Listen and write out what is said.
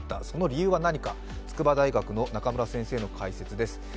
その理由は何か、筑波大学の中村先生の解説です。